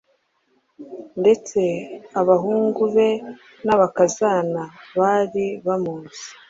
ndetse abahungu be n’abakazana bari bamuzi.